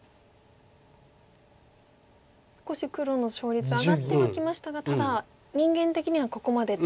少し黒の勝率上がってはきましたがただ人間的にはここまで。